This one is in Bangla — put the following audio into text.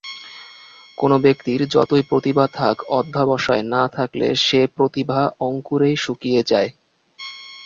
কোনো ব্যক্তির যতই প্রতিভা থাক, অধ্যবসায় না থাকলে সে প্রতিভা অঙ্কুরেই শুকিয়ে যায়।